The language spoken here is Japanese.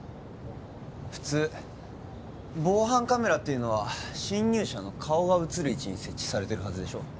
普通防犯カメラっていうのは侵入者の顔が写る位置に設置されてるはずでしょ？